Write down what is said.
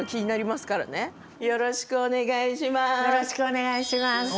まずよろしくお願いします。